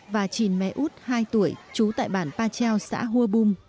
và chìn mẹ út hai tuổi trú tại bản pa treo xã hua bum